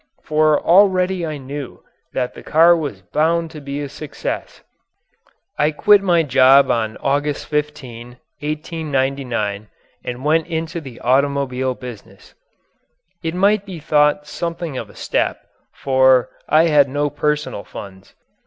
For already I knew that the car was bound to be a success. I quit my job on August 15, 1899, and went into the automobile business. It might be thought something of a step, for I had no personal funds.